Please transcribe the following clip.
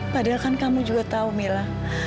padahal kan kamu juga tahu mila